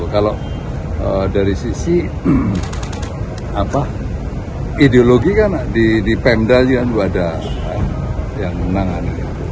kalau dari sisi ideologi kan di pemda juga ada yang menangani